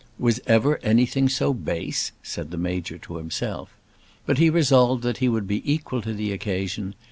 Was ever anything so base? said the Major to himself. But he resolved that he would be equal to the occasion.